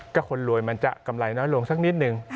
ก็คนรวยมันจะกำไรน้อยลงสักนิดนึง